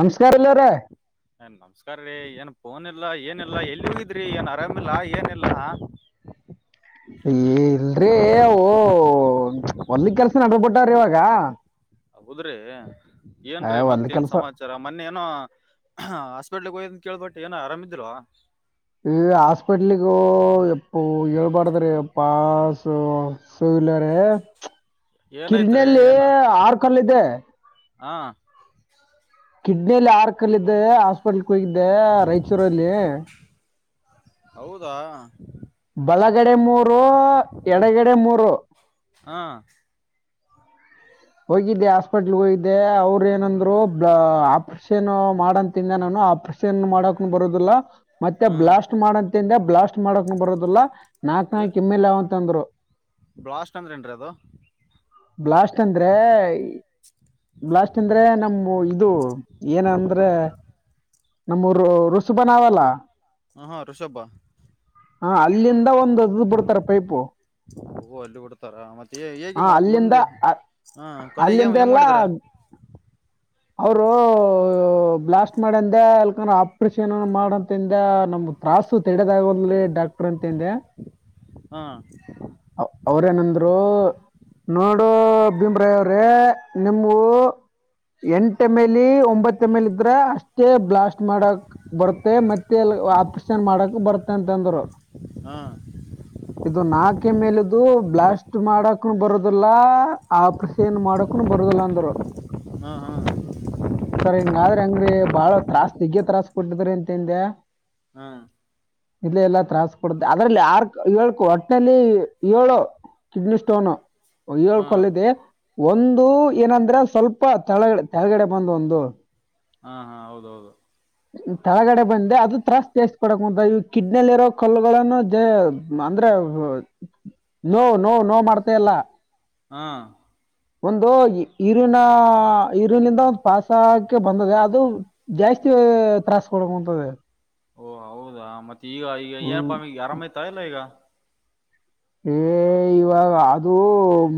ನಮಸ್ಕಾರ ಇಲ್ಲವ್ರೆ [inaudible] ನಮಸ್ಕಾರ ರೀ ಏನ್ ಫೋನಿಲ್ಲಾ ಏನಿಲ್ಲಾ ಎಲ್ಲಿ ಹೋಗಿದ್ರಿ ಏನ್ ಆರಾಮಿಲ್ಲಾ ಏನಿಲ್ಲ. ಏ ಇಲ್ರಿ ಅವು ಹೊಲ್ದಿ ಕೆಲ್ಸ ನಡ್ದಬಿಟ್ಟಾವ್ರಿ ಇವಾಗ ಹೌದ್ರಿ, ಏ, ಏನ್ರೀ ಹೊಲ್ದ ಮತ್ತೇನ್ ಕೆಲಸ ಸಮಾಚಾರ ಮೊನ್ನೇನೋ ಹಾ ಹಾಸ್ಪಿಟ್ಲ್ಗೆ ಹೋಗಿದ್ ಅಂತ ಕೇಳ್ಪಟ್ಟೆ ಏನ ಆರಾಮಿದ್ದಿಲ್ವ ಏ ಹಾಸ್ಪಿಟ್ಲಿಗೂ ಎಪ್ಪೋ ಹೇಳ್ಬಾರ್ದ್ರಿ ಅಪ್ಪ ಸೊ ರೇ ಏನೈತ್ರಿ ಕಿಡ್ನಿಯಲ್ಲಿ ಏನ ಆರ್ ಕಲ್ಲ ಇದೆ. ಹಾ. ಕಿಡ್ನಿಲ್ಲಿ ಆರ್ಕಲ್ಲಿದ್ದೆ ಹಾಸ್ಪಿಟಲ್ಕ್ ಹೋಗಿದ್ದೆ ರಾಯಚೂರಲ್ಲಿ. ಹೌದಾ ಬಲಗಡೆ ಮೂರು ಎಡಗಡೆ ಮೂರು. ಹಾ. ಹೋಗಿದ್ದೆ ಹಾಸ್ಪಿಟ್ಲ್ ಹೋಗಿದ್ದೆ ಅವರು ಏನಂದ್ರು ಆಪ್ರೇಷನ್ ಮಾಡನ್ ತಿಂದ ನಾನು ಆಪ್ರೇಷನ್ ಮಾಡಕೂ ಬರೋದಿಲ್ಲ ಮತ್ತೆ ಹ್ಮ್ ಬ್ಲಾಸ್ಟ್ ಮಾಡಂತಿಂದೆ ಬ್ಲಾಸ್ಟ್ ಮಾಡಾಕೂ ಬರುದಿಲ್ಲಾ ನಾಕ್ ಏ ನಾಲ್ಕು ಎಮ್ಮೇಲ್ ಆವಂತ ಅಂದ್ರು. ಬ್ಲಾಸ್ಟ್ ಅಂದ್ರೇನ್ರೀ ಅದು ಬ್ಲಾಸ್ಟ್ ಅಂದ್ರೆ ಬ್ಲಾಸ್ಟ್ ಅಂದ್ರೆ ನಮ್ ಇದು ಏನಂದ್ರೆ ನಮ್ಮ ರು ರುಸಿಬನಾವಲ್ಲ ಹ ಹಾ ರುಷಬ ಹಾ ಅಲ್ಲಿಂದ ಒಂದ ಬಿಡ್ತಾರೆ ಪೈಪು. ಹೋ ಅಲ್ಲಿ ಬಿಡ್ತಾರ ಮತ್ತೆ ಹೇಗೆ ಮತ್ ಮುಂದೆ ಹಾ ಕೊನೆಗೆ ಏನ್ ಅಲ್ಲಿಂತೆ ಹೆಂಗ್ ಎಲ್ಲ ಮಾಡಿದಾರ ಅವರು ಹ್ಮ ಬ್ಲಾಸ್ಟ್ ಮಾಡಂದ ಅಲ್ಕನ ಆಪ್ರೇಷನ್ ಮಾಡಂತಂದ್ಯಾ ನಮ ತ್ರಾಸು ತೆಡೆದಾಗ್ವಲ್ದ ಲೇ ಡಾಕ್ಟರ್ ಅಂ ತಂದ್ಯಾ ಹಾ ಅ ಅವ್ರೇನಂದ್ರು ನೋಡು ಬಿಮ್ರಾಯವ್ರೆ ನಿಮ್ವು ಎಂಟ ಎಮ್ಮೇಲಿ ಒಂಬತ್ತ ಎಮ್ಮೇಲಿ ಇದ್ರೆ ಅಷ್ಟೇ ಬ್ಲಾಸ್ಟ್ ಮಾಡಕ್ ಬರುತ್ತೆ ಮತ್ತೆಲ್ಲ ಆಪರೇಷನ್ ಮಾಡಕ್ ಬರ್ತಂತಂದ್ರು. ಹಾ ಇದು ನಾಕ್ ಎಮ್ಮೇಲದು ಬ್ಲಾಸ್ ಷ್ಟ್ ಮಾಡಕ್ನು ಬರುದಿಲ್ಲ ಆಪ್ರೇಷನ್ ಮಾಡಕ್ನು ಬರುದಿಲ್ಲ ಅಂದ್ರು. ಹಾ ಹಾ ಹಾ ಸರ ಹಿಂಗಾದ್ರ ಹೆಂಗ್ರೀ ಬಾಳ ತ್ರಾಸ್ ಜಗ್ಗೆ ತ್ರಾಸ ಕೊಟ್ಟಿದ್ರೀ ಅಂತಂದ್ಯಾ ಹ್ಮ. ಇಲ್ಲ ಎಲ್ಲಾ ತ್ರಾಸ್ ಕೊಡ್ದೆ ಅದ್ರಲ್ಲಿ ಆರ್ ಏಳ್ಕು ಒಟ್ಟನಲ್ಲಿ ಏಳು ಕಿಡ್ನಿ ಸ್ಟೋನ್ ಒ ಕೊಲ್ಲಿದೆ ಒಂದು ಏನಂದ್ರ ಸ್ವಲ್ಪ ತಳ ತಳಗಡೆ ಬಂದು ಒಂದು ಹಾ ಹಾ ಹೌದೌದು ತಳಗಡೆ ಬಂದೆ ಅದು ತ್ರಾಸ್ ಜಾಸ್ತಿ ಕೊಡಕ್ ಕುಂತ ಈ ಕಿಡ್ನಿಯಲ್ಲಿ ಇರೋ ಕಲ್ಲುಗಳನ್ನು ಅಂದ್ರೆ ನೋವ್ ನೋವ್ ನೋವ ಮಾಡ್ತಾ ಇಲ್ಲ ಹಾ. ಒಂದು ಯ್ಯೂರಿನ ಯ್ಯೂರಿನಿಂದ ಒಂದು ಪಾಸಕ್ಕೆ ಬಂದಿದೆ ಅದು ಜಾಸ್ ತ್ರಾಸ ಕೊಡಂತದೆ ಓ ಹೌದಾ ಮತ್ತೆ ಈಗ ಈಗ ಹ್ಮ್. ಏನಪ್ಪ ಆರಾಮೈ್ತಾ ಇಲ್ಲ ಈಗ. ಏ ಇವಾಗ ಅದು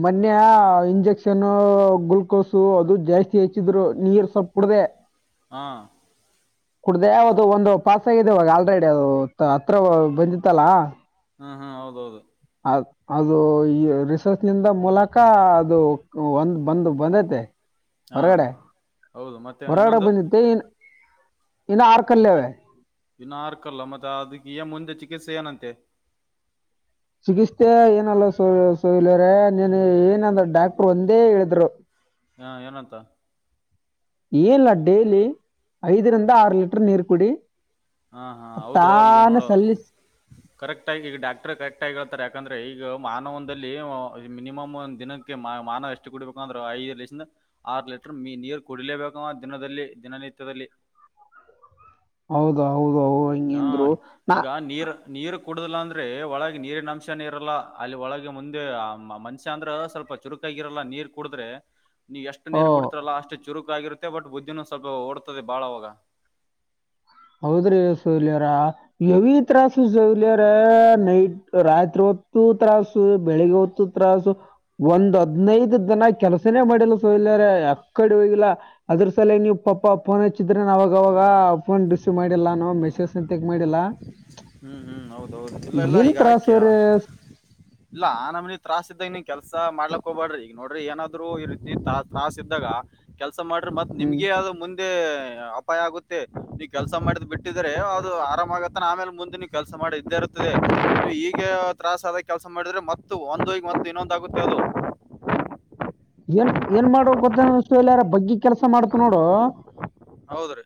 ಮೊನ್ನೆ ಇಂಜೆಕ್ಷನ್ ಗ್ಲುೂಕೋಸು ಅದು ಜಾಸ್ತಿ ಹೆಚ್ಚಿದ್ರು ನೀರ್ ಸೊಪ್ಪ್ ಕುಡ್ದೆ ಹಾ. ಕುಡ್ದ್ಯಾ ಅದು ಒಂದು ಪಾಸ್ ಆಗಿದೆ ಇವಾಗ ಆಲ್ರೆಡಿ ಅದು ಹತ್ರ ಬಂದಿತ್ತಲ್ಲ ಹಾ ಹಾ ಹೌದೌದು ಅ ಅದು ಈ ರಿಸರ್ಚ್ ನಿಂದ ಮೂಲಕ ಅದು ಒಂದು ಬಂದು ಬಂದೈತೆ. ಹಾ ಹೊರಗಡೆ ಹೌದು ಮತ್ತೆ ಹೊರಗಡೆ ಇನ್ನೊಂದು ಬಂದಿತ್ತೇನ್ ಆರ್ ಕಲ್ಲೇ ಇನ್ನ ಆರ್ಕಲ್ಲ ಮತ್ತೆ ಅದಕ್ಕೆ ಏ ಮುಂದೆ ಚಿಕಿತ್ಸೆ ಏನಂತೆ. ಚಿಕಿತ್ಸೆ ಏನಲ್ಲ ಸ ಸಲ್ಯರ ನೀನ್ ಏನಂದ್ರ ಡಾಕ್ಟ್ರ ಒಂದೇ ಹೇಳಿದ್ರು. ಹಾ ಏನಂತ ಇಲ್ಲ ಡೈಲಿ ಐದರಿಂದ ಆರ್ ಲೀಟರ್ ನೀರು ಕುಡಿ. ಹಾ ಹಾ ತಾನೆ ಸಲ್ಲಿಸ್ ಕರೆಕ್ಟ್ ಆಗಿ ಈಗ ಡಾಕ್ಟರೆ ಕರೆಕ್ಟ್ ಆಗಿ ಹೇಳ್ತಾರೆ ಯಾಕಂದ್ರೆ ಈಗ ಮಾನವನ್ದಲ್ಲಿ ಮಿನಿಮಮ್ ಒಂದ್ ದಿನಕ್ಕೆ ಮಾ ಮಾನವ ಎಷ್ಟು ಕುಡಿಬೇಕು ಅಂದ್ರ ಐದು ಲಿಸಿಂದ ಆರು ಲೀಟರ್ ಮಿ ನೀರು ಕುಡಿಲೇಬೇಕವ ದಿನದಲ್ಲಿ ದಿನನಿತ್ಯದಲ್ [inaudible] ಹೌದ ಹಾ ಈಗ ನೀರ್ ನೀರು ಕುಡುದಿಲ್ಲ ಅಂದ್ರೆ ಒಳಗೆ ನೀರಿನ ಅಂಶನ ಇರಲ್ಲ ಅಲ್ಲಿ ಒಳಗೆ ಮುಂದೆ ಮನುಷ್ಯ ಅಂದ್ರ ಸ್ವಲ್ಪ ಚುರುಕ ಆಗಿರಲ್ಲ ನೀರ್ ಕುಡಿದ್ರೆ ನೀವು ಎಷ್ಟು ಓ ನೀರ್ ಕುಡತಿರಲ್ಲ ಅಷ್ಟೇ ಚುರುಕ ಆಗಿರು ತ್ತೆ ಬಟ್ ಬುದ್ಧಿನು ಸ್ವಲ್ಪ ಓಡ್ತದೆ ಬಾಳ ಅವಾಗ. ಹೌದ್ರಿ ಸೌಲ್ಯರ ನೈಟ್ ತ್ರಾಸು ಸೌಲ್ಯರ ನೈಟ್ ರಾತ್ರಿ ತ್ತು ತ್ರಾಸು ಬೆಳಿಗ್ಗೆ ಹೊತ್ತು ತ್ರಾಸು ಒಂದ್ ಹದ್ನೈದು ದಿನ ಕೆಲ್ಸನೇ ಮಾಡಿಲ್ಲ ಸ್ ಯ ಕಡೆ ಹೋಗಿಲ್ಲ ಅದ್ರ ಸಲವಗ್ ನೀವ್ ಪಾಪ ಫೋನ್ ಹಚ್ಚಿದ್ರೇನ್ ಅವಾಗವಾಗ ಫೋನ್ ಬಿಸ್ ಮಾಡಿಲ್ಲ ನಾ ಮೆಸೇಸೆಂತಕ್ ಮಾಡಿಲ್ಲ. ಹ್ಮ್ ಹ್ಮ್ ಹೌದೌದು ಇಲ್ಲ ಎಲ್ಲ ಏನ್ ಈಗ ತ್ರಾಸು ಆಕ್ಯಾ ರೀ ಇಲ್ಲ ಆ ನಮನಿ ತ್ರಾಸ್ ಇದ್ದಾಗ್ ನೀ ಕೆಲ್ ಸ ಮಾಡ್ಲಕ್ ಹೋಗಬೇಡ್ರಿ ಈಗ ನೋಡ್ರಿ ಏನಾದ್ರು ಈ ರೀತಿ ತ್ರಾಸ ಇದ್ದಾಗ ಕೆಲ್ ಸ ಮಾಡ್ರಿ ಮತ್ ಹ್ಮ್ ನಿಮ್ಗೆ ಆದು ಮುಂದೆ ಅಪಾಯ ಆಗುತ್ತೆ ನೀವ್ ಕೆಲ್ಸ ಮಾಡಿದ್ ಬಿಟ್ಟಿದ್ರೆ ಅದು ಆರಾಮ ಆಗತ್ತನ ಆಮೇಲೆ ಮುಂದ್ ತ್ತೆ ನೀವು ಕೆಲಸ ಮಾಡ್ ಇದ್ದೇ ಇರುತ್ತದೆ ಅದ್ ಈಗ ತ್ರಾಸದಾಗ್ ಕೆಲ್ಸ ಮಾಡಿದ್ರೆ ಮತ್ತು ಒಂದೋಗ್ ಮತ್ತ್ ಇನ್ನೊಂದಾಗು [inaudible] ಏನ್ ಏನ್ ಮಾಡೋ ಗೊತ್ತಂಗಿಸ್ಲಾರ ಬಗ್ಗಿ ಕೆಲ್ಸ ಮಾಡ್ತ್ ನೋಡು ಹೌದ್ರೀ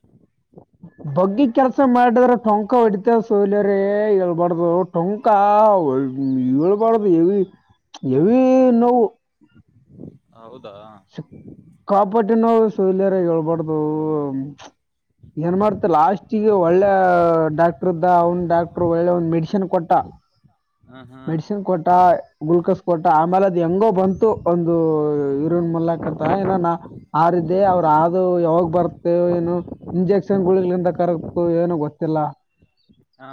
ಬಗ್ಗಿ ಕೆಲ್ಸ ಮಾಡಿದ್ರೆ ಟೊಂಕ ಹೊಡಿತ ಸೌಲ್ಯರೆ ಹೇಳ್ಬಾರ್ದು ಟೊಂಕ ಏಳ್ಬಾರ್ದು ಹೇವಿ ಹೆವಿ ನೋವು. ಹೌದಾ ನೋವ್ ಸೌಲ್ಯಾರೇ ಹೇಳ್ಬಾರ್ದು ಏನ್ ಮಾಡ್ತ ಲಾಸ್ಟಿಗೆ ಒಳ್ಳೆ ಡಾಕ್ಟ್ರ್ ಇದ್ದ ಅವ್ನ್ ಡಾಕ್ಟ್ರ ಒಳ್ಳೆ ಮೆಡಿಶನ್ ಕೊಟ್ಟ. ಹ್ಮ್ ಹ್ಮ್ ಮೆಡಿಸಿನ್ ಕೊಟ್ಟ ಗುಲ್ಕಸ್ ಕೊಟ್ಟ ಆಮೇಲೆ ಅದು ಹೆಂಗೋ ಬಂತು ಒಂದು ಇ ಲಕತ್ತ ಇನ್ನೇನೋ ಆರಿದ್ದೆ ಅವ್ರ ಅಗೆ ಯಾವಾಗ್ ಬರ್ತೇ ಏನು ಇಂಜೆಕ್ಷನ್ ಗಳಿಂದ ಕರುಗ್ತು ಏನು ಗೊತ್ತಿಲ್ಲ. ಹಾ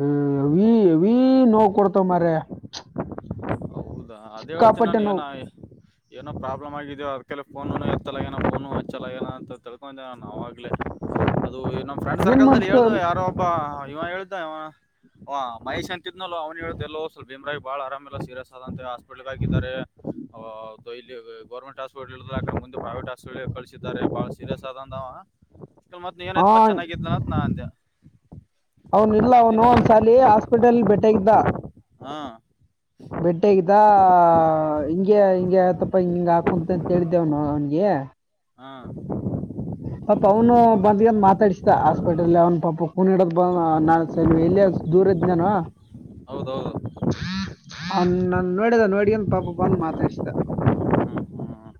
ಹ್ಮ್ ಹೆವಿ ಹೆವಿ ನೋವ್ ಕೊಡ್ತ ಮಾರಯ. ಹೌದಾ ಅದೇ ಹೇಳ್ತೀನಿ ನಾನು ಏನ ಏನೋ ಪ್ರಾಬ್ಲಮ್ ಆಗಿದೆಯೋ ಅದಕ್ಕೆಲ್ಲ ಫೋನು ಮಾಡ್ ಹತ್ತಲಗೇನೋ ಫೋನು ಹಚ್ಚಲಗನ ಅಂತ ತಿಳ್ಕೊಂಡೇ ನಾನ್ ಅವಾಗ್ಲೇ. ಅದು ನಮ್ಮ್ ಫ್ರೆಂಡ್ ಏನ್ ಸರ್ಕಲ್ ದಲ್ಲಿ ಹೇಳುದು ಮಾಡ್ಸಲ್ ಯಾರೋ ಒಬ್ಬ ಇವ ಹೇಳ್ತಾ ಇವ ಹಾ ಮಹೇಶ್ ಅಂತಿದ್ನಲ್ಲೋ ಅವ್ನು ಹೇಳದ್ ಎಲ್ಲೋ ಸ್ವಲ್ ಭೀಮ್ರಾಗಿ ಬಾಳ ಆರಾಮ್ ಇಲ್ಲ ಸೀರಿಯಸ್ ಆದಂದ್ರೆ ಹಾಸ್ಪಿಟ್ಲ್ ದಾಗಿದ್ದಾರೆ ಹ ಡೈಲಿ ಗೌರ್ಮೆಂಟ್ ಹಾಸ್ಪಿಟ್ಲ್ ಇಳ್ದಾಕ್ ಮುಂದೆ ಪ್ರೈವೇಟ್ ಹಾಸ್ಪೆಟ್ಲ್ ಕಳ್ಸಿದ್ದಾರೆ ಬಾಳ ಸೀರಿಯಸ್ ಅದಂದ ಅವ ಮತ್ ಏನಾಯಿತ್ ಪ ಚೆನ್ನಾಗಿದ್ನಲತ್ ನಾ ಅಂದೆ. ಅವ್ನು ಇಲ್ಲ ಅವ್ನು ನೀನು ಒಂದ್ ಸಾಲಿ ಹಾಸ್ಪಿಟಲ್ ಭೇಟ್ಯಾಗಿದ್ದ. ಹ ಬೆಟ್ಟೆ ಆಗಿದ್ದ ಹಿಂಗೆ ಹಿಂಗ ಆತಪ್ಪ ಹಿಂಗ್ ಹಾಕಂತ ಅಂತ ಹೇಳಿದ್ದೆವನು ಅವನ್ಗೆ ಹಾಂ ಪಾಪ ಅವ್ನು ಬಂದ್ಯಿನ್ ಮಾತಾಡುಸ್ದ ಆಸ್ಪೆಟಲ್ ಅವ್ನ್ ಪಾಪ ಕುಣಿಯೇಡದ್ ಬಂದ್ [unintelligible] ಇದ್ನೇನ ಹೌದೌದು. ಅವ್ನ್ ನನ್ ನೋಡಿದ ನೋಡಿಯೇನ್ ಪಾಪ ಬಂದ್ ಮಾತಾಡಿಸಿದ. ಹ್ಮ್ ಹ್ಮ್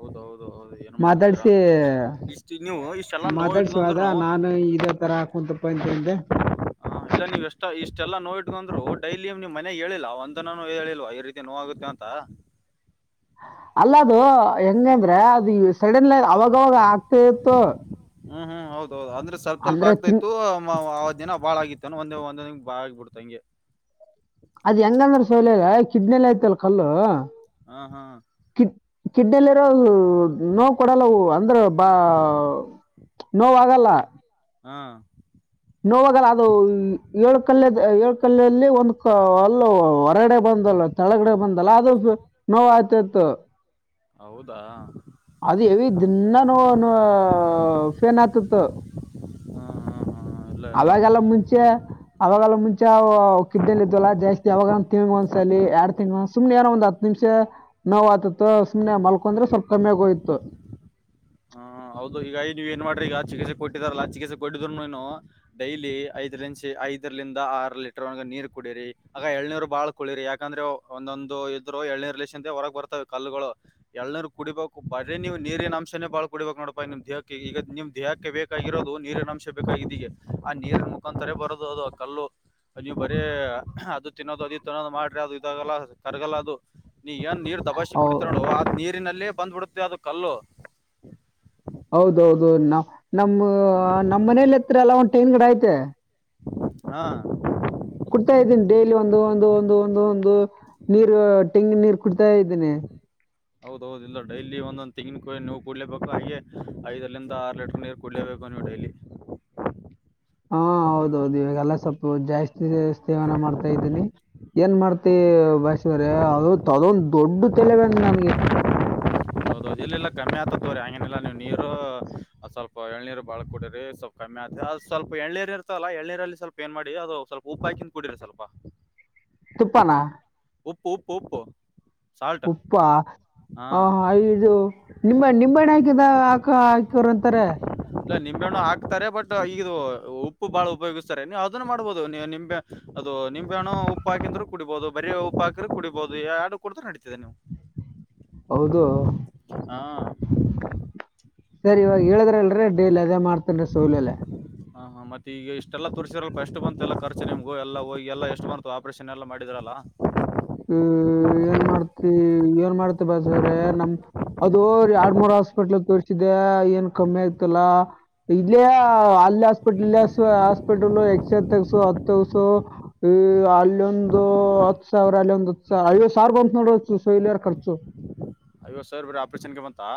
ಹೌದೌದು ಹೌದು ಏನ್ ಮಾಡ್ತೀರಾ ಮಾತಾಡ್ಸಿ ಇಷ್ಟ ನೀವು ಇಷ್ಟೆಲ್ಲಾ ನೋವು ಮಾತಾಡ್ಸ್ ವಾಗ ಇಟ್ಕೊಂಡ್ರುನು ನಾನು ಇದೇ ತರ ಕುಂತಪ್ಪ ಎಂತಂದೆ ಅ ಇಲ್ಲ ನೀವ್ ಎಷ್ಟ ಇಷ್ಟೆಲ್ಲ ನೋವ್ ಇಟ್ಕೊಂಡ್ರು ಡೈಲಿ ನೀವ್ ಮನೆಗೇಳಿಲ್ಲ ಒಂದಿನಾನೂ ಹೇಳಿಲ್ವಾ ಈ ರೀತಿ ನೋವ್ ಆಗುತ್ತ ಅಂತ ಅಲ್ಲಾದು ಹೆಂಗಂದ್ರೆ ಅದು ಸಡನ್ಲಿ ಅವಾಗವಾಗ ಆಗ್ತಾ ಇತ್ತು. ಹ್ಮ್ ಹ್ಮ್ ಹೌದೌದು ಅಂದ್ರೆ ಸ್ವಲ್ಪ್ ಸ್ವಲ್ಪ ಅಂದ್ರೆ ತಿಂಗ್ ಆಗ್ತಾಯಿತ್ತು ಮ್ ಆ ಆ ದಿನ ಭಾಳ ಆಗಿತ್ತೇನು ಒಂದೇ ಒಂದ ಭಾಳ ಆಗಿಬಿಡ್ತ್ ಹಂಗೆ ಅದ್ ಹೆಂಗಂದ್ರ ಸೌಲಲ್ಲ ಕಿಡ್ನಿಲ್ ಐತಲ್ಲ ಕಲ್ಲು ಆ ಹಾಂ ಕಿಡ್ನಿಲ್ ಇರೋ ನೋವು ಕೊಡಲ್ಲ ಅವು ಅಂದ್ರೆ ಬಾ ನೋವಾಗಲ್ಲ. ಹಾಂ ನೋವಾಗಲ್ಲ ಅದು. ಏಳ್ ಕಲ್ ಅದೆ ಏಳ್ ಕಲ್ಲಲ್ಲಿ ಒಂದು ಕ ಅಲ್ಲು ಹೊರಗಡೆ ಬಂದಲ್ಲ ತಳಗಡೆ ಬಂದಲ್ಲ ಅದು ನೋವ್ ಆತಾಯಿತ್ತು. ಹೌದಾ ಅದು ಹೆವಿ ದಿನ್ನ ನೋವ ನೋ ಫೇನ್ ಆತಿತ್ತು. ಹ್ಮ್ ಹ್ಮ್ ಅಲಾಗಲ್ಲ ಮುಂಚೆ ಅವಾಗಲ್ಲ ಮುಂಚೆ ಅವ ಕಿಡ್ನಿಲ್ ಇದ್ವಲ್ಲ ಜಾಸ್ತಿ ಯಾವಾಗನ ತ್ರಿ ಮಂತ್ಸಲ್ಲಿ ಎರಡ್ ತಿಂಗ್ ಸುಮ್ನೆ ಏನೋ ಒಂದ್ ಹತ್ ನಿಮಿಷ ನೋವು ಆತತ್ತು ಸುಮ್ನೆ ಮಲ್ಕೊಂದ್ರೆ ಸ್ವಲ್ಪ್ ಕಮ್ಮಿಗೋಯ್ತು. ಹ್ಮ್ ಅ ಹೌದು ಈಗ ಇದೀವಿ ನೋಡ್ರೀಗ ಚಿಕಿತ್ಸೆ ಕೊಟ್ಟಿದಾರಲ್ಲಾ ಚಿಕಿತ್ಸೆ ಕೊಟ್ಟಿದ್ರುನು ಡೈಲಿ ಐದ್ ನಿಂಷಿ ಐದರ್ಲಿಂದ ಆರು ಲೀಟರ್ ಒಗೆ ನೀರ್ ಕುಡೀರಿ ಆಗ ಎಳ್ನೀರು ಬಾಳ್ ಕುಡಿರಿ ಯಾಕಂದ್ರೆ ಒಂದೊಂದು ಇದ್ರು ಎಳ್ನೀರ್ ಲೀಶಾಂತೆ ಹೊರಗ್ ಬರ್ತವೆ ಕಲ್ಲುಗಳು, ಎಳ್ನೀರ್ ಕುಡಿಬೇಕು ಬರೀ ನೀವು ನೀರಿನ ಅಂಶನೆ ಬಾಳ್ ಕುಡಿಬೇಕು ನೋಡಪಾ ನಿಮ್ ದೇಹಕ್ಕೆ ಈಗ ನಿಮ್ ದೇಹಕ್ಕೆ ಬೇಕಾಗಿರೋದು ನೀರಿನ ಅಂಶ ಬೇಕಿದ್ದೀಗ ಆ ನೀರ್ ಮುಖಾಂತರ ಬರೋದದು ಕಲ್ಲು. ಅ ನೀವು ಬರೇ ಅದು ತಿನ್ನೋದು ಅದ ತಿನ್ನೋದು ಮಾಡ್ರಿ ಅದು ಇದಾಗಲ್ಲ ಕರಗಲ್ಲ ಅದು ನೀ ಏನ್ ನೀರ್ ದಬಾಶಿ ಹೌ ಕುಡಿತ ನೋಡು ಅದ್ ನೀರಿನಲ್ಲೇ ಬಂದ್ಬಿಡುತ್ತೆ ಅದು ಕಲ್ಲು. ಹೌದೌದು ನ ನಮ್ಮೂ ನಮ್ ಮನೇಲಿತ್ರ ಎಲ್ಲ ಒಂದ್ ತೆಂಗಿನ್ ಗಿಡ ಐತೆ. ಹಾಂ ಕುಡ್ತಾ ಇದ್ದೀನಿ ಡೈಲಿ ಒಂದು ಒಂದು ಒಂದು ಒಂದು ಒಂದು ನೀರು ತೆಂಗಿನ್ ನೀರ್ ಕುಡ್ತಾ ಇದ್ದೀನಿ. ಹೌದೌದು ಇಲ್ಲ ಡೈಲಿ ಒಂದೊಂದ್ ತೆಂಗಿನ್ಕಾಯ್ ನೀವು ಕುಡ್ಲೇಬೇಕು ಹಾಗೆ ಐದಲಿಂದ ಆರ್ ಲೀಟ್ರ್ ನೀರ್ ಕುಡ್ಲೇಬೇಕ್ ಪಾನು ಡೈಲಿ ಹಾಂ ಹೌದೌದು ಇವಾಗೆಲ್ಲ ಸ್ವಲ್ಪು ಜಾಸ್ತಿ ಜಾಸ್ತ್ ಸೇವನೆ ಮಾಡ್ತಾ ಇದ್ದೀನಿ ಏನ್ ಮಾಡ್ತಿ ಭಾಷಿ ಅವ್ರೆ ಅದು ಅದೊಂದ್ ದೊಡ್ಡು ತಲೆಬೇನ್ ನನ್ಗೆ. [inaudible] ಹೌದೌದು ಇಲ್ಲಿಲ್ಲ ಕಮ್ಮಿ ಆಗ್ತತ್ತು ರೀ ಹಾಗೇನಿಲ್ಲಾ ನೀವ್ ನೀರು ಅ ಸ್ವಲ್ಪ ಎಳ್ನೀರು ಬಾಳ ಕುಡಿರಿ ಸ್ವಲ್ಪ್ ಕಮ್ಮಿ ಆತ್ ಅದು ಸ್ವಲ್ಪ ಎಳ್ಳನೀರು ಇರ್ತಲ್ಲ ಎಳ್ಳನೀರಲ್ಲಿ ಸ್ವಲ್ಪ ಏನ್ ಮಾಡಿ ಅದು ಸ್ವಲ್ಪ ಉಪ್ಪಾಕಿಂದು ಕುಡಿರಿ ಸ್ವಲ್ಪ. ತುಪ್ಪಾನ? ಉಪ್ಪು ಉಪ್ಪು ಉಪ್ಪು ಸಾಲ್ಟ್ ಉಪ್ಪಾ ಹಾ. ಹಾಂ ಹೈ ಇದು ನಿಂಬೇಣ್ ನಿಂಬೇಣ್ ಹಾಕಿದ ಹಾಕ ಹಾಕ್ಯರ್ ಅಂತಾರೆ ಇಲ್ಲ ನಿಂಬೇಣ್ಣು ಹಾಕ್ತಾರೆ ಬಟ್ ಈಗದು ಉಪ್ಪು ಬಹಳ ಉಪಯೋಗಿಸ್ತಾರೆ ನೀವು ಅದುನ್ನ ಮಾಡ್ಬೋದು ನಿಂಬೆ ಅದು ದು ನಿಂಬೇಣ್ಣು ಉಪ್ ಹಾಕಿದ್ರು ಕುಡಿಬೋದು ಬರೀ ಉಪ್ ಹಾಕಿದ್ರೆ ಕುಡಿಬೋದು ಯಾವ್ದು ಕುಡುದ್ರು ನಡೀತದೆ ನಿಮ್ ಹೌದು ಸರಿ ಇವಾಗ ಹೇಳದೆ ರಿ- ಡೇಲಿ ಅದೇ ಮಾಡ್ತೇನ್ ಸೌಲ್ಲ್. ಹಾಂ ಮತ್ತುಈಗ ಇಷ್ಟೆಲ್ಲ ತೋರಿಸಿರಲ್. ಅಷ್ಟು ಬಂತೆುಲ್ಲ ಖರ್ಚು ನಿಮಗೂ ಎಲ್ಲ ಹೋಗಿ ಎಲ್ಲ ಎಷ್ಟು ಬಂತು ಆಪ್ರೇಷನ್ ಎಲ್ಲ ಮಾಡಿದ್ರಲ್ಲ. ಹ್ಮ್ ಏನ್ ಮಾಡ್ತಿ ಏನ್ ಮಾಡ್ತಿ ಬಸವ್ರ ನಮ್ ಅದು ಎರಡ್ ಮೂರ್ ಹಾಸ್ಪಿಟ್ಲ್ ತೋರ್ರಿಸಿದ್ದೆ. ಏನ್ ಕಮ್ಮಿ ಆಯತಲ್ಲ ಇಲ್ಲಿ ಅಲ್ಲಿ ಹಸ್ಪಿಟ್ಲ್ -ಇ ಹಸ್ಪಿಟಲ್ ಎಕ್ಸ್ ಸ -ಹತ್ತುಸೋ ಈ ಅಲ್ಲೋಂದು ಹತ್ತು ಸಾವಿರ ಅ -ಒಂದ ಐವತ್ತು ಸಾವಿರ- ಬ -ನೋಡು ಸಲ್ರ್ ಖರ್ಚು ಐವತ್ತು ಸಾವಿರ ಬರೀ ಆಪರೇಷನ್ಗೆ ಬಂತಾ.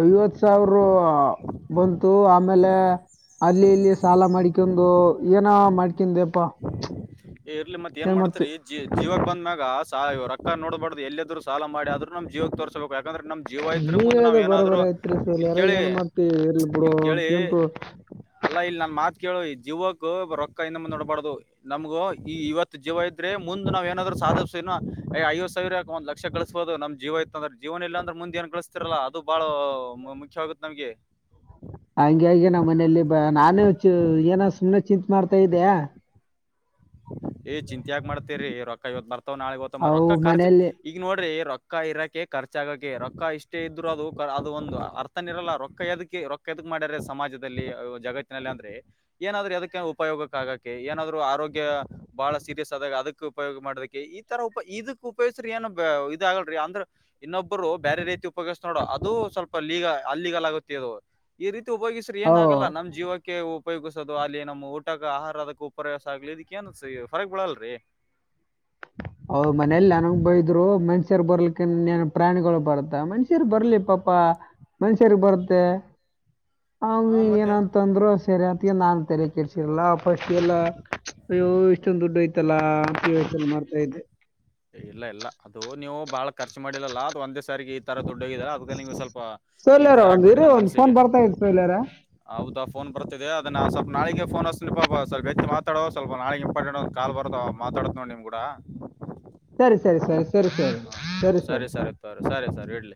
ಐವತ್ ಸಾವಿರ ಬಂತು ಆಮೇಲೆ ಅಲ್ಲಿ ಇಲ್ಲಿ ಸಾಲ ಮಾಡಿ. ಅಕಂದು ಏನ ಮಾಡ್ಕನ ದೆಪ್ಪಾ. ಇರ್ಲಿ ಮತ್ ಏನ್ ಮಾಡ್ತರಿ -ಜ -ಜೀವಕ್ ಬಂದ್ಮ್ಯಾಗ ಸವು ರಕ್ಕ ನೋಡ್ಬಾರ್ದು ಎಲ್ಲದ್ರು ಸಾಲ ಮಾಡಿದ್ರೂ ನಮ ಜೀವ ತೋರಾಸ್ಕೋಬೇಕು ಯಾಕಂದ್ರೆ ನಮ ಜೀವ ಇದ್ರ ನೀವ್ ಮುಂದೆ ನಾವ್ ಹೇಳ್ದ ಏನಾದ್ರು ಬರೋಬರ ಐತ್ರಿ ಇಲ್ ಸೋಲ್ಯಾರ ಕೇಳಿ ಏನ್ ಮಾಡ್ತಿ ಇರ್ಲಿ ಬಿಡು ಇಲ್ ಕೇಳಿ. ಅಂತಕಂತು ಅಲ್ಲಾ ಇಲ್ಲಿ ನಾನ್ ಮಾತ್ ಕೇಳು ಜೀವಕ್ ರೊಕ್ಕ ಇನ್ನು ಮುಂದ ನಡ್ಬಾರ್ದು ನಮ್ಗು. ಈ -ಇವತ್ ಜೀವ ಇದ್ರೆ ಮು ನಾವ್ ಏನಾದ್ರು ಸಾಧ್ಸ ಐವತ್ತು ಸಾವಿರ ಒಂದ್ ಲಕ್ಷ ಕಳಿಸ್ಬೋದು ನಮ್ ಜೀವ. ಯ್ತ- ಅಂದ್ರೆ ಜೀವನ ಎಲ್ಲ ಅಂದ್ರ ಮುಂದೆ ಏನ್ ಕಳಿಸ್ತಿರಲ್ಲ ಅದು ಬಾಳ ಮುಖ್ಯವಗುತ್ತೆ ನಮ್ಗೆ ಹಂಗೆ ನಮ್ಮ ಮನೆಯಲ್ಲಿ -ಬ ನಾನು ಏನ ಸುಮ್ನೆ ಚಿತ್ ಮಾಡ್ತಾ ಇದಯ ಏ್ -ಚಿಂತೆ ಯಾಗಗ್ ಮಾಡ್ತೇರಿೀ ರೊಕ್ಕ ಇವತ್ ಮರ್ತವ ನಾಳಗ್ ದ್ವ ಅವು ರೊಕ್ಕ ಖರ್ಚ ಮನೆಯಲ್ಲಿ ಈಗ ನೋಡ್ರಿ ರೊಕ್ಕ ರೊಕ್ಕ ಇರಕ್ಕೆೆ ಖರ್ಚಾಗಕೆ ರೊಕ್ಕ ಇಷ್ಟೇ ಇದ್ರು ಅದು ಅದು ಒಂದು ಅರ್ಥನ ಇರಲ್ಲ ರೊಕ್ಕ ಎದಕ್ಕೆ ರೊಕ್ಕ ಎದ ಮಾಡ್ಯರೆ ಸಮಾಜದಲ್ಲಿ ಜಗತ್ತಿನಲ್ಲಿ ಅಂದ್ರೆ ಏನಾದ್ರೂ ಅದಕ್ಕೆ ಉಪಯೋಗಕ್ಕೆ ಆಗಕ್ಕೆ ಏನಾದ್ರು ಆರೋಗ್ಯ. ಬಹಳ ಸೀರಿಯಸ್ ಆದಾಗ ಅದಕ್ ಉಪಯೋಗ ಮಾಡದಕ್ಕೆ ಈ ತರ ಉಪ ಇದಕ್ ಉಪಯೋಗ್ಸ್ರ ಏನ್ ಇದಗಲ್ರಿ. ಅಂದ್ರೆ ಇನ್ನೊಬ್ಬರು ಬೇರೆ ರೀತಿ ಉಪಯೋಗ್ತ ನೋಡು ಅದು ಸ್ವಲ್ಪ ಲೀಗ ಅ ಲೀಗಲ್ ಆಗುತ್ತೆ ಅದು. ಇರಿತ್ ಉಪಯೋಗಿಸ್ರ ಓ ಏನಾಗಲ್ಲ ನಮ್ ಜೀವಕ್ಕೆ ಉಪಯೋಗಿಸೋದು ಅಲ್ಲಿ ನಮ್ಮ್ ಊಟಕ್ಕೆ ಆಹಾರ ಅದಕ್ಕ ಉಪಯವಾಸ ಆಗ್ಲಿಕ್ಕೆ. ನ್ಸ -ಫರಾಕ್ ಬಳಲ್ರಿ ಅವ ಮನೇಲಿ ನನಂಗ ಬಯದ್ರು ಮನ್ಷ್ಯರ್ ಬರ್ಲಿಕ್ಕನ್ನ್ ಪ್ರಾಣಿಗಳು ಬರತ್ತ ಮನ್ಷ್ಯರ್ ಬರ್ಲಿ ಪಾಪ. ಪಾ- ಮನ್ಷ್ಯರಿಗೆಗೆ ಬರ್ತೆ ಅವ ಹಾ ಮತ್ತೆ ಏನಂತಂದ್ರು ಸರಿ ಅಂತ. ನಾನು ತೆರೆ -ಕೆ- ಇರ್ಸಿರಲ್ಲ ಫಸ್ಟ್ ಎಲ್ಲ. ಅಯ್ಯೋ ಇಷ್ಟೊಂದು ದುಡ್ಡು ಐ್ತಲ್ಲಾ ಎಲ್ಲ ಮಾಡ್ತಾ ಇದೆ. ಇಲ್ಲ ಇಲ್ಲ ಅದು ನೀವು ಬಾಳ ಖರ್ಚು ಮಾಡಿಲ್ಲಲ್ಲ ಅದು ಒಂದೇ ಸಾರಿಗೆ ಈ ತರ ದುಡ್ಡು. ಔಗ ಅದ ಸ್ವಲ್ಪ ಈ ಸೌಲ್ಯರ ತರ ಒಂದ್ ಆಗ್ಬಿಟ್ಟು ಇರಿ ನಮ್ಮ್ ಒಂದ್ ಫೋನ್ ಮನಸಿಗೆ ಬರ್ತಾ ಇದೆ ಸೌಲ್ಯರ ಹೌದು -ಪ್ ಫೋನ್ ಬರ್ತಿದೆ ಅದನ್ನು ಸ್ವಲ್ಪ ನಾಳೆಗೆ ಫೋನ ಸ್ಲ್ಪ- ಸ್ಲ್ಪ- ಹೆಚ್ಚ ಮಾತಡ ಸ್ವಲ್ ನಾಳೆ ಇಂಪಾರ್ಟೆಂಟ್ ಕಾಲ್ ಬರ್ತಾವೋ -ಮಾ ತಡ ನೋಡಾ ನಿಮ್ಮ್ ಕೂಡ. ಸರಿ- ಸರಿ -ಸರಿ ಸರಿ -ಸನೆ ಹಾ -ಸರಿ -ಸೋನೆ. ಸರಿ ತೋರಿ ಸರಿ ಸರಿ ಇಡ್ಲಿ